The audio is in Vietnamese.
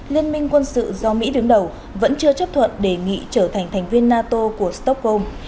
liên minh quân sự do mỹ đứng đầu vẫn chưa chấp thuận đề nghị trở thành thành viên nato của stockholm